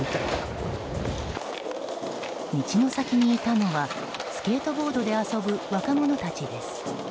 道の先にいたのはスケートボードで遊ぶ若者たちです。